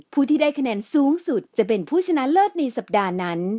ผู้ที่ได้คะแนนสูงสุดจะเป็นผู้ชนะเลิศในสัปดาห์นั้น